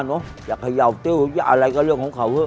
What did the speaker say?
น้อยอย่าขยาวติ้วอะไรก็เรื่องของเขา